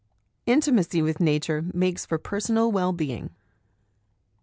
Intimacy with Nature makes for Personal Well being.